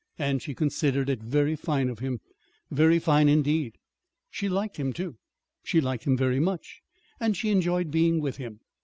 And she considered it very fine of him very fine, indeed. She liked him, too. She liked him very much, and she enjoyed being with him.